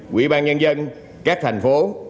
quỹ ban nhân dân các thành phố